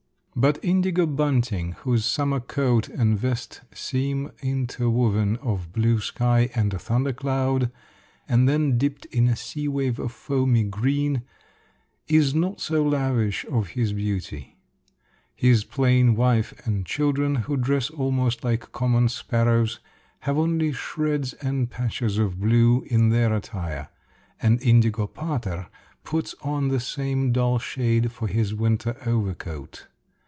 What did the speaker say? But indigo bunting, whose summer coat and vest seem interwoven of blue sky and a thunder cloud, and then dipped in a sea wave of foamy green, is not so lavish of his beauty. His plain wife and children, who dress almost like common sparrows, have only shreds and patches of blue in their attire, and indigo pater puts on the same dull shade for his winter overcoat.